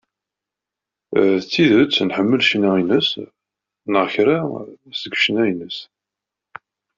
D tidet nḥemmel ccna-ines, neɣ kra seg ccna-ines.